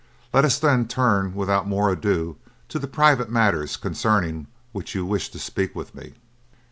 Let us then turn without more ado to the private matters concerning which you wished to speak with me."